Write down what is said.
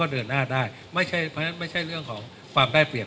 ก็เดินหน้าได้ไม่ใช่ไม่ใช่เรื่องของความได้เปรียบ